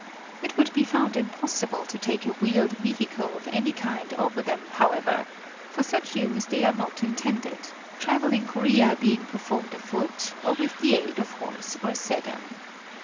It would be found impossible to take a wheeled vehicle of any kind over them, how ever ; for such use they are not intended, travel in Korea being performed afoot, or with the aid of horse or sedan.